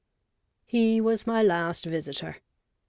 " He was my last visitor.